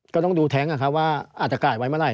ก็ต้องดูแท็งค์ว่าอัดอากาศไว้เมื่อไหร่